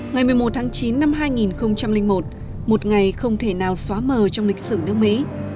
ngày một mươi một tháng chín năm hai nghìn một một ngày không thể nào xóa mờ trong lịch sử nước mỹ